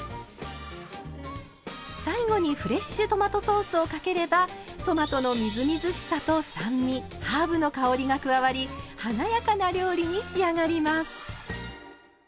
最後にフレッシュトマトソースをかければトマトのみずみずしさと酸味ハーブの香りが加わり華やかな料理に仕上がります。